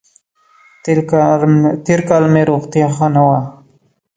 تېر کال مې روغتیا ښه نه وه.